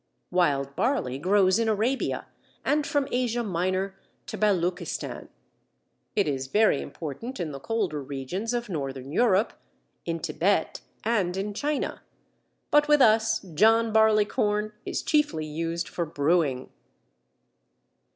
Wild Barley grows in Arabia and from Asia Minor to Baluchistan. It is very important in the colder regions of Northern Europe, in Tibet, and in China, but with us "John Barleycorn" is chiefly used for brewing.